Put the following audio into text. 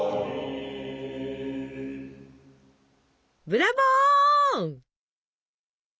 ブラボー！